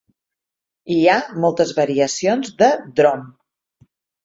Hi ha moltes variacions de "Drom".